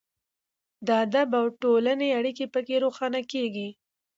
د ادب او ټولنې اړیکه پکې روښانه کیږي.